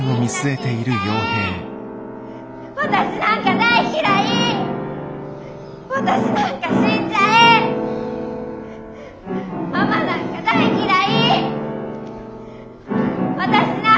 私なんか大嫌い！